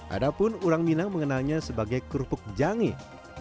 ada pun orang minang mengenalnya sebagai kerupuk jangit